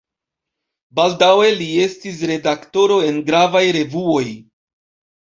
Baldaŭe li estis redaktoro en gravaj revuoj.